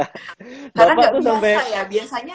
karena gak biasa ya biasanya